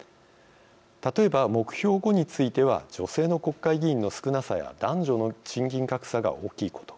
例えば、目標５については女性の国会議員の少なさや男女の賃金格差が大きいこと。